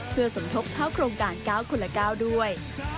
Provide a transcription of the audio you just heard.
เพื่อสมทบเท่ากรงการ๙๙ด้วย